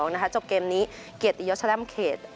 นะคะจบเกมนี้เกียรติเยาะชะแร่มเขต